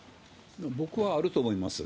僕はあると思います。